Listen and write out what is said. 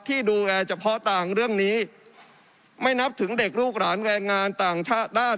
ที่ดูแลเฉพาะต่างเรื่องนี้ไม่นับถึงเด็กลูกหลานแรงงานต่างชาติด้าน